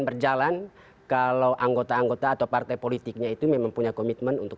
berjalan kalau anggota anggota atau partai politiknya itu memang punya komitmen untuk